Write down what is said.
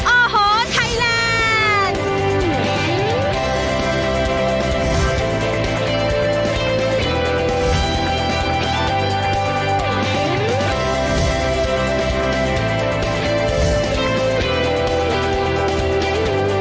โอ้โหไทยแลนด์